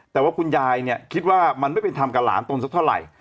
แต่ว่าคุณยายเนี่ยคิดว่ามันไม่เป็นธรรมกับหลานตนสักเท่าไหร่